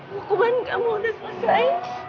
hukuman kamu udah selesai